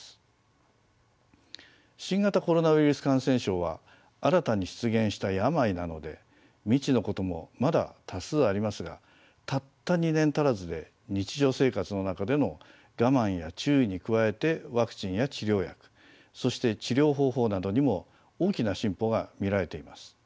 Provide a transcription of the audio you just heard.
新型コロナウイルス感染症は新たに出現した病なので未知のこともまだ多数ありますがたった２年足らずで日常生活の中での我慢や注意に加えてワクチンや治療薬そして治療方法などにも大きな進歩が見られています。